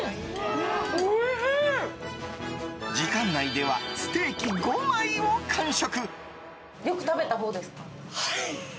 時間内ではステーキ５枚を完食。